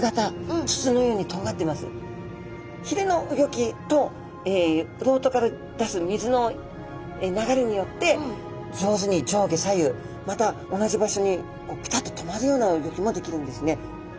ひれのうギョきと漏斗から出す水の流れによって上手に上下左右また同じ場所にぴたっと止まるようなうギョきもできるんですね。